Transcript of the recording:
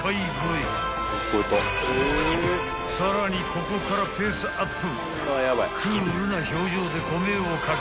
［さらにここからペースアップ］